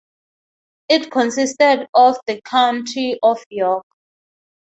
It consisted of the County of York.